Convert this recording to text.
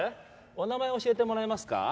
お名前教えてもらえますか？